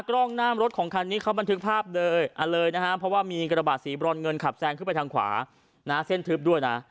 กล้องหน้ามรถของคันนี้เขาบันทึกภาพเลยอันเลยนะฮะเพราะว่ามีกระบาดสีบรอนเงินขับแซงขึ้นไปทางขวานะเส้นทึบด้วยนะ